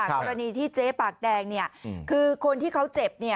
กรณีที่เจ๊ปากแดงเนี่ยคือคนที่เขาเจ็บเนี่ย